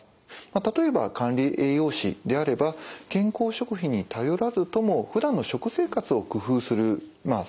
例えば管理栄養士であれば健康食品に頼らずともふだんの食生活を工夫するそれで解決できることも。